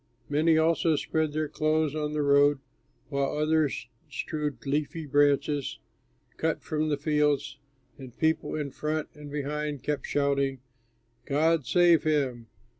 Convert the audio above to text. Many also spread their clothes on the road, while others strewed leafy branches cut from the fields; and people in front and behind kept shouting: "God save him!